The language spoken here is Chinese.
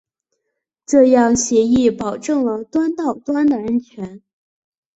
这样协议保证了端到端的安全。